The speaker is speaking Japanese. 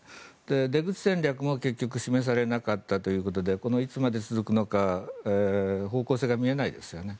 出口戦略も結局示されなかったということでいつまで続くのか方向性が見えないですよね。